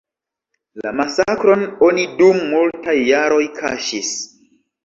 La masakron oni dum multaj jaroj kaŝis.